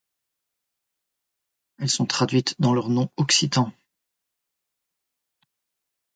Elles sont traduites dans leur nom occitan.